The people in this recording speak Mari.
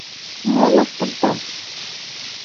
Мом ыштышда?